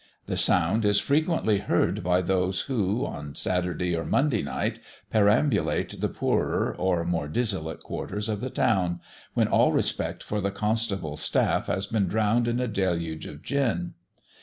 That sound is frequently heard by those who, on Saturday or Monday night, perambulate the poorer or more dissolute quarters of the town, when all respect for the constable's staff has been drowned in a deluge of gin.